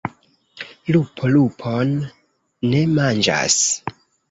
Lupo lupon ne manĝas.